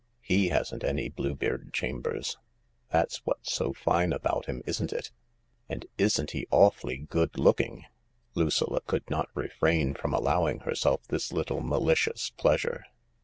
He hasn't any Bluebeard chambers. That's what's so fine about him, isn't it ? And isn't he awfully good looking ?" Lucilla could not refrain from allowing herself this little malicious pleasure.